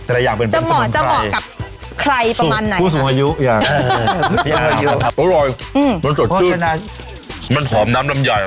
จะเหมาะกับใครประมาณไหนคะอร่อยมันสดชื่นมันถอมน้ำน้ำใหญ่